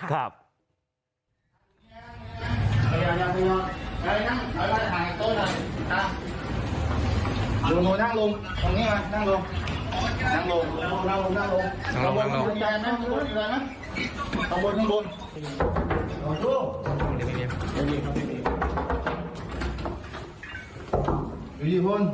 ข้างบนข้างบน